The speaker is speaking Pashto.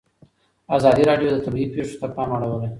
ازادي راډیو د طبیعي پېښې ته پام اړولی.